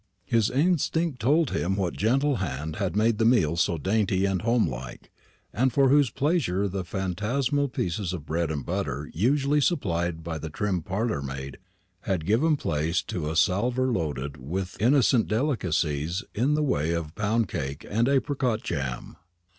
His instinct told him what gentle hand had made the meal so dainty and home like, and for whose pleasure the phantasmal pieces of bread and butter usually supplied by the trim parlour maid had given place to a salver loaded with innocent delicacies in the way of pound cake and apricot jam.